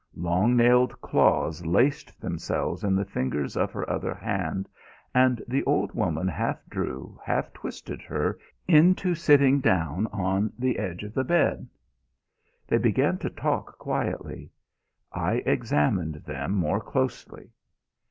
Long nailed claws laced themselves in the fingers of her other hand and the old woman half drew, half twisted her into sitting down on the edge of the bed. They began to talk quietly. I examined them more closely....